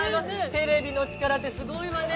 テレビの力ってすごいわね。